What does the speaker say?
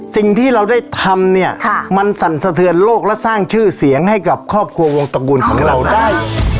สิ่งที่เราได้ทำเนี่ยมันสั่นสะเทือนโลกและสร้างชื่อเสียงให้กับครอบครัววงตระกูลของเราได้